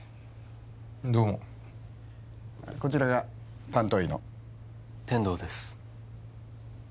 どうもこちらが担当医の天堂です